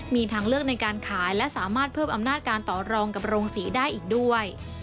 มีทางเลือกในการขายและสามารถเพิ่มอำนาจการต่อรองกับโรงศรีได้อีกด้วย